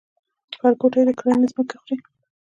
ښارګوټي د کرنې ځمکې خوري؟